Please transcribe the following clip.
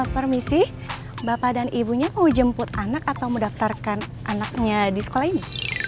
permisi bapak dan ibunya mau jemput anak atau mendaftarkan anaknya di sekolah ini